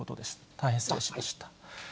大変失礼しました。